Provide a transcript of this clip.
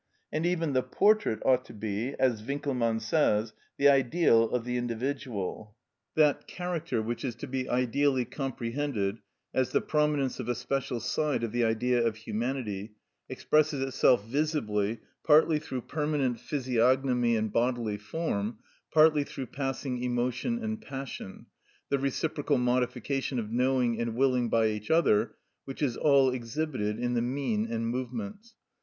And even the portrait ought to be, as Winckelmann says, the ideal of the individual. That character which is to be ideally comprehended, as the prominence of a special side of the Idea of humanity, expresses itself visibly, partly through permanent physiognomy and bodily form, partly through passing emotion and passion, the reciprocal modification of knowing and willing by each other, which is all exhibited in the mien and movements.